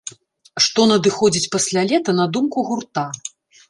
Што надыходзіць пасля лета на думку гурта?